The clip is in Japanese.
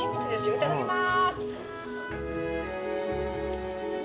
いただきます。